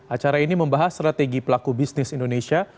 acara ini membahas strategi pelaku bisnis indonesia